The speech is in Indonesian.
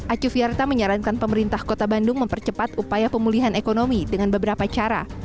acu fiarta menyarankan pemerintah kota bandung mempercepat upaya pemulihan ekonomi dengan beberapa cara